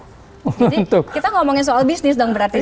jadi kita ngomongin soal bisnis dong berarti